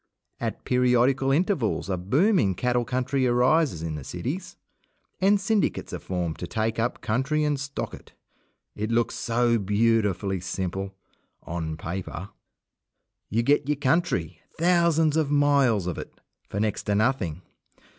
At periodical intervals a boom in cattle country arises in the cities, and syndicates are formed to take up country and stock it. It looks so beautifully simple on paper. You get your country, thousands of miles of it, for next to nothing.